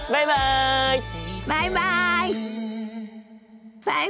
バイバイ！